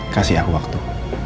kasih aku waktu